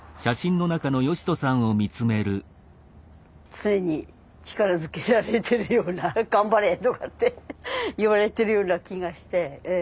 常に力づけられてるような頑張れとかって言われてるような気がしてうん。